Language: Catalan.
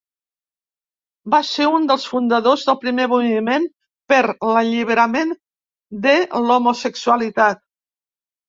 Va ser un dels fundadors del primer moviment per l'alliberament de l'homosexualitat.